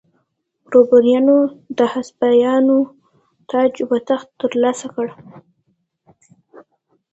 بوروبونیانو د هسپانیا تاج و تخت ترلاسه کړ.